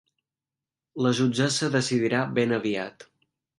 La jutgessa decidirà ben aviat.